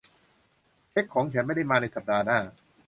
เช็คของฉันไม่ได้มาในสัปดาห์หน้า